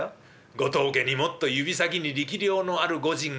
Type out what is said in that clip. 「ご当家にもっと指先に力量のある御仁がござらぬか？」。